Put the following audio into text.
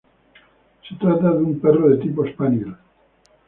Se trata de un perro de tipo Spaniel.